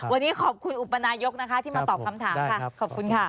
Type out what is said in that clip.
วันนี้ขอบคุณอุปนายกนะคะที่มาตอบคำถามค่ะขอบคุณค่ะ